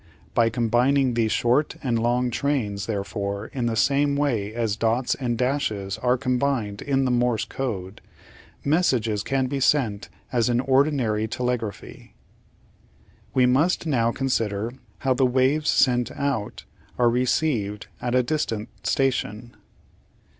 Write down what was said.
By combining these short and long trains, therefore, in the same way as dots and dashes are combined in the Morse Code, messages can be sent as in ordinary telegraphy (see Fig. 7 facing p. 829) . We must now consider how the waves sent out are received at a distant station.